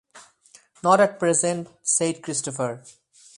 "Not at present," said Christopher.